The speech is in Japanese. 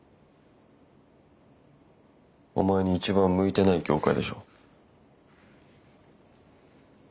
お前に一番向いてない業界でしょ。